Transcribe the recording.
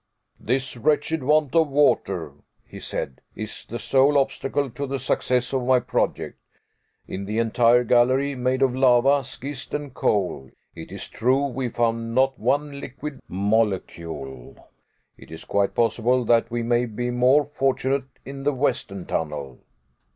"This wretched want of water," he said, "is the sole obstacle to the success of my project. In the entire gallery, made of lava, schist, and coal, it is true we found not one liquid molecule. It is quite possible that we may be more fortunate in the western tunnel."